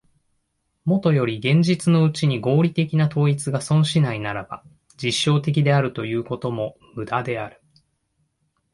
もとより現実のうちに合理的な統一が存しないならば、実証的であるということも無駄である。